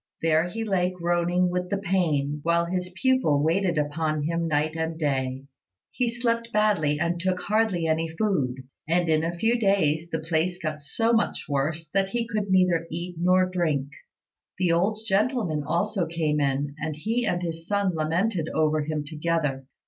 There he lay groaning with the pain, while his pupil waited upon him day and night. He slept badly and took hardly any food; and in a few days the place got so much worse that he could neither eat nor drink. The old gentleman also came in, and he and his son lamented over him together.